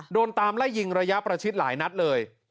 โดนตามไล่ยิงระยะประชิดหลายนัดเลย